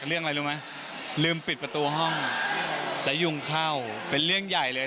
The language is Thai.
เรื่องอะไรรู้ไหมลืมปิดประตูห้องและยุงเข้าเป็นเรื่องใหญ่เลย